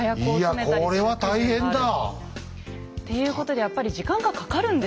いやこれは大変だ。っていうことでやっぱり時間がかかるんですよね。